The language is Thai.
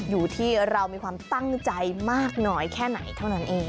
อยู่ที่เรามีความตั้งใจมากน้อยแค่ไหนเท่านั้นเอง